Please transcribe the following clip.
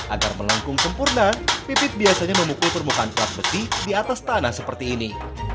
agar melengkung sempurna pipit biasanya memukul permukaan kelas beti di atas tanah seperti ini